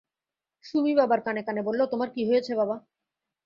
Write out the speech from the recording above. সুমী বাবার কানে-কানে বলল, তোমার কী হয়েছে বাবা?